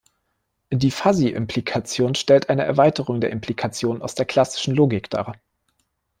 Die Fuzzy-Implikation stellt eine Erweiterung der Implikation aus der klassischen Logik dar.